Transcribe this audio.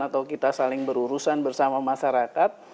atau kita saling berurusan bersama masyarakat